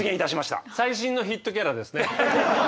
最新のヒットキャラですね。